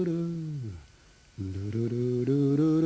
ルルルルルル